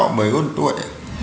có mấy con tuổi